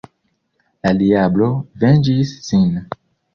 La diablo venĝis sin.